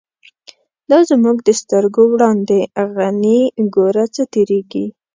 دا زمونږ د سترگو وړاندی، «غنی » گوره څه تیریږی